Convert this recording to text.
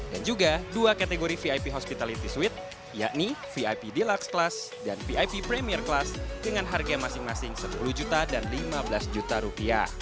dan juga dua kategori vip hospitality suite yakni vip deluxe class dan vip premier class dengan harga masing masing rp sepuluh dan rp lima belas